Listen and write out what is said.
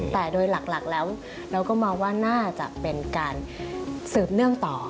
แต่โดยหลักแล้วเราก็มองว่าน่าจะเป็นการสืบเนื่องต่อ